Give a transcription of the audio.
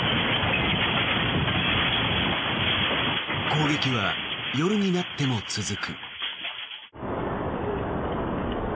攻撃は夜になっても続く。